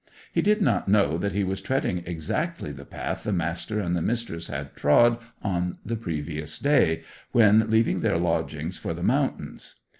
He did not know that he was treading exactly the path the Master and the Mistress had trod on the previous clay, when leaving their lodging for the mountains.